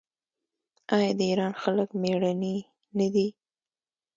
آیا د ایران خلک میړني نه دي؟